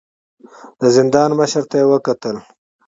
د زندان مشر ته يې وکتل.